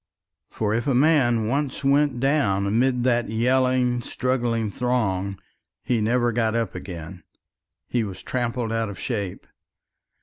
For if a man once went down amid that yelling, struggling throng, he never got up again he was trampled out of shape.